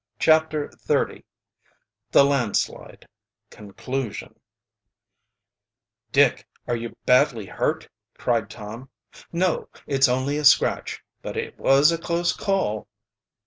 CHAPTER XXX THE LANDSLIDE CONCLUSION "Dick, are you badly hurt?" cried Tom. "No it's only a scratch. But it was a close call."